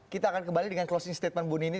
kita akan kembali dengan closing statement bunda ini